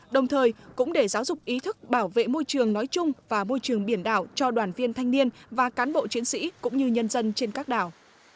đồng thời cũng để giáo dục ý thức bảo vệ môi trường nói chung và môi trường biển đảo cho đoàn viên thanh niên và cán bộ chiến sĩ cũng như nhân dân trên các đảo